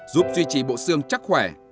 giúp duy trì bộ xương chắc khỏe